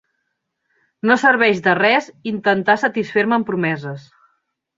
No serveix de ser intentar satisfer-me amb promeses.